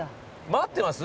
待ってます？